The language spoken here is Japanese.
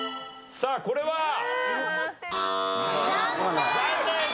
さあこれは？